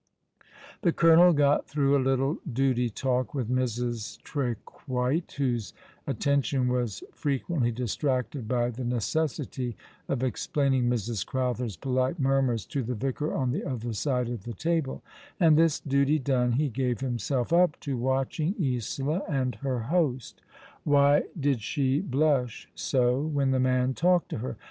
The colonel got through a little duty talk with Mrs. Trequite, whose attention was frequently distracted by tha necessity of explaining Mrs. Crowther's polite murmurs to the vicar on the other side of the table ; and this duty done he gave himself up to watching Isola and her host. AVhy did she blush so when the man talked to her?